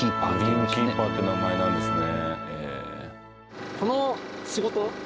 グリーンキーパーって名前なんですね。